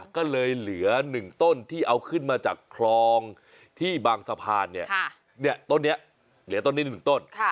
ก็เลยเหลือ๑ต้นที่เอาขึ้นมาจากคลองที่บางสะพานเนี่ยต้นนี้เหลือต้นนี้๑ต้น